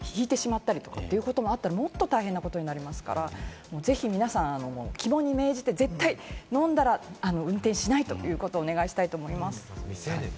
もしそれが、外でひいてしまったりという事があったりしたら、もっと大変なことになりますから、ぜひ皆さん、肝に銘じて、絶対飲んだら、運転しないということをお願いしたいと思います。